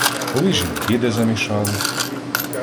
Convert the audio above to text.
Коли жінки де замішались